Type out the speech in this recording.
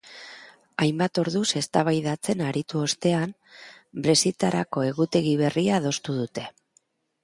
Hainbat orduz eztabaidatzen aritu ostean, brexiterako egutegi berria adostu dute.